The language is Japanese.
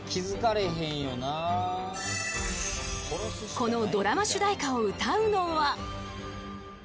［このドラマ主題歌を歌うのは］